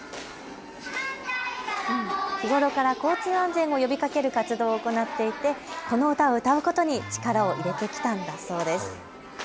日頃から交通安全を呼びかける活動を行っていてこの歌を歌うことに力を入れてきたんだそうです。